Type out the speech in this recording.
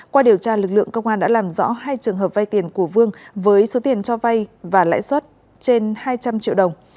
qua điều tra lực lượng công an đã làm rõ hai trường hợp vay tiền của vương với số tiền cho vay và lãi suất trên hai trăm linh triệu đồng